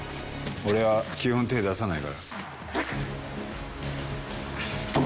俺は基本手ぇ出さないから。